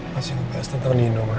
masih ngebahas tentang nino mah